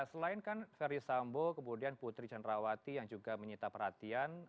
selain kan ferry sambo kemudian putri cenrawati yang juga menyita perhatian